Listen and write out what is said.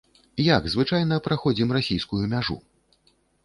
Як звычайна праходзім расійскую мяжу?